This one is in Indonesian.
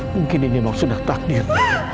mungkin ini memang sudah takdir